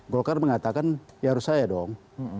golkar mengatakan ya harus saya dong